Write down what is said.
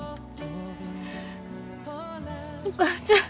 お母ちゃん！